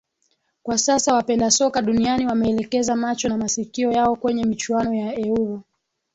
Kwa sasa wapenda soka duniani wameelekeza macho na masikio yao kwenye michuano ya Euro